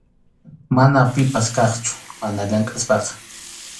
Mana pipas kaqchu mana llamk’aspaqa.